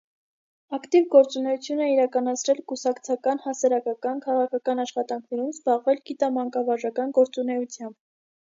Ակտիվ գործունեություն է իրականացրել կուսակցական, հասարակական, քաղաքական աշխատանքներում, զբաղվել գիտամանկավարժական գործունեությամբ։